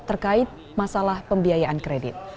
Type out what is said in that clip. terkait masalah pembiayaan kredit